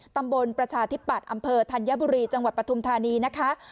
ประชาธิปัตย์อำเภอธัญบุรีจังหวัดปฐุมธานีนะคะ